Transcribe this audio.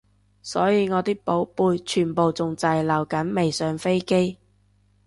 所以我啲寶貝全部仲滯留緊未上飛機